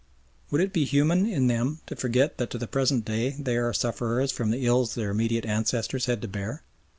Would it be human in them to forget that to the present day they are sufferers from the ills their immediate ancestors had to bear?